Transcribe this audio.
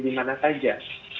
di mana saja